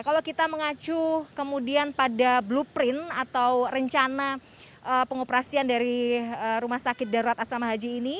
kalau kita mengacu kemudian pada blueprint atau rencana pengoperasian dari rumah sakit darurat asrama haji ini